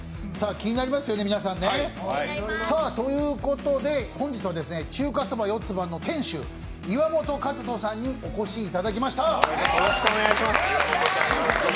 気になりますよね、皆さんねということで、本日は中華そば四つ葉の店主岩本和人さんにお越しいただきました。